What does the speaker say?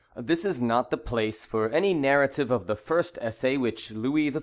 This is not the place for any narrative of the first essay which Louis XIV.